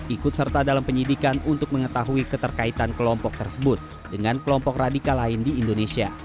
ikut serta dalam penyidikan untuk mengetahui keterkaitan kelompok tersebut dengan kelompok radikal lain di indonesia